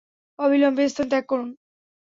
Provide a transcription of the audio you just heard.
অবিলম্বে স্থান ত্যাগ করুন।